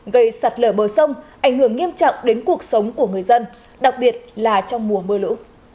gây sạt lở bờ sông ảnh hưởng nghiêm trọng đến cuộc sống của người dân đặc biệt là trong mùa mưa lũ